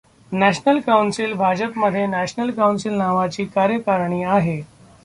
National council भाजपामध्ये national council नावाची कार्यकारिणी आहे.